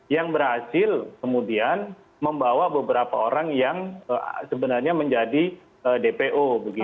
yang berhasil kemudian membawa beberapa orang yang sebenarnya menjadi dpo